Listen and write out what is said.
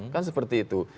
kan seperti itu